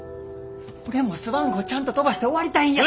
俺もスワン号ちゃんと飛ばして終わりたいんや。